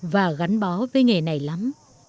và gắn bó với nghề này lắm